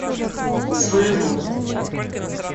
своего